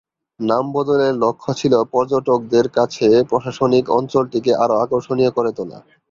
নাম বদলের লক্ষ্য ছিল পর্যটকদের কাছে প্রশাসনিক অঞ্চলটিকে আরও আকর্ষণীয় করে তোলা।